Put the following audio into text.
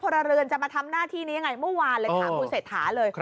เรือนจะมาทำหน้าที่นี้ยังไงเมื่อวานเลยถามคุณเศรษฐาเลย